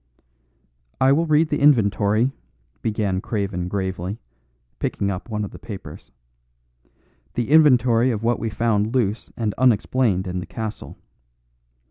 "I will read the inventory," began Craven gravely, picking up one of the papers, "the inventory of what we found loose and unexplained in the castle.